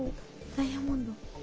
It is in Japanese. ダイヤモンド。